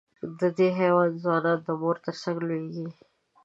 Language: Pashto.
د دې حیوان ځوانان د مور تر څنګ لویېږي.